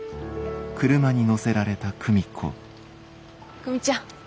久美ちゃん